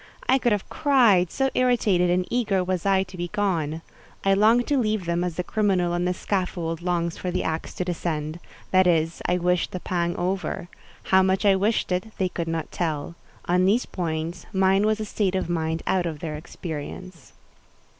I could have cried, so irritated and eager was I to be gone. I longed to leave them as the criminal on the scaffold longs for the axe to descend: that is, I wished the pang over. How much I wished it, they could not tell. On these points, mine was a state of mind out of their experience.